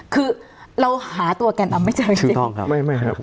คือเราหาตัวกันเอาไม่เจอจริงถูกต้องครับไม่ไม่ครับ